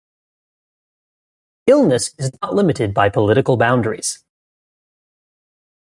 Illness is not limited by political boundaries.